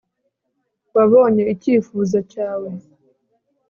wabonye icyifuzo cyawe